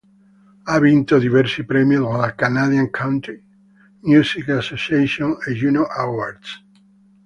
Ha vinto diversi premi della Canadian Country Music Association e Juno Awards.